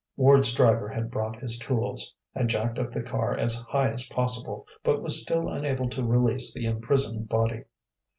Ward's driver had brought his tools; had jacked up the car as high as possible; but was still unable to release the imprisoned body.